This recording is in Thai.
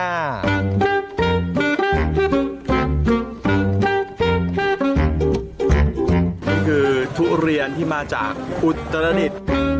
นี่คือทุเรียนที่มาจากอุตรดิษฐ์